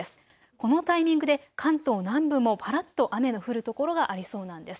このタイミングで関東南部もぱらっと雨の降る所がありそうなんです。